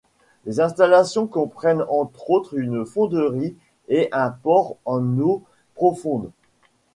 Les installations comprennent entre autres une fonderie et un port en eaux profondes.